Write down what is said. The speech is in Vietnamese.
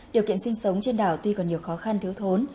điều kiện sinh sống trên đảo tuy còn nhiều khó khăn thiếu thốn